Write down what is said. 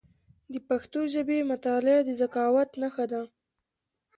د پښتو ژبي مطالعه د ذکاوت نښه ده.